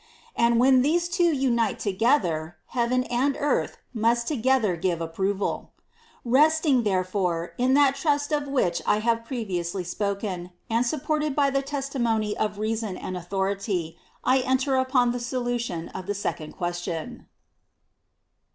And when these two umte togetner, heaven and earth must t ogether gve approval.^ Resting, therefofe^Tn that trust of which I have previously spoken,^ and supported by the testimony of reason and authority, I enter upon the solution of the second question.